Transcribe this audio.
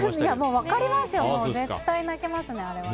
分かりますよ絶対泣きますね、あれは。